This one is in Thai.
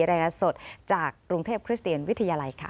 รายงานสดจากกรุงเทพคริสเตียนวิทยาลัยค่ะ